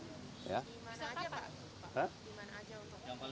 di mana aja pak